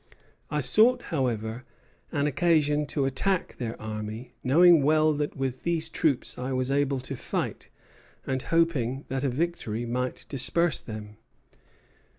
I sought, however, an occasion to attack their army, knowing well that with these troops I was able to fight, and hoping that a victory might disperse them."